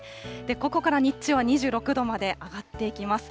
ここから日中は２６度まで上がっていきます。